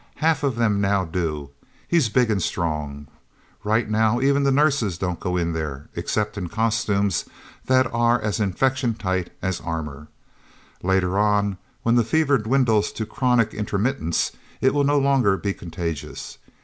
Half of them now do. He's big and strong. Right now, even the nurses don't go in there, except in costumes that are as infection tight as armor. Later on, when the fever dwindles to chronic intermittence, it will no longer be contagious.